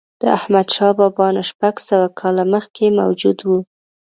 د احمدشاه بابا نه شپږ سوه کاله مخکې موجود و.